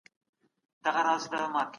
بې سوادي د ټولني لوی دښمن دی.